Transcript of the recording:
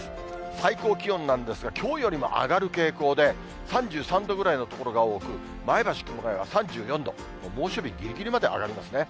最高気温なんですが、きょうよりも上がる傾向で、３３度ぐらいの所が多く、前橋、熊谷は３４度、猛暑日ぎりぎりまで上がりますね。